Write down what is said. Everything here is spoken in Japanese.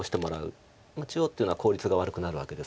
中央っていうのは効率が悪くなるわけですから。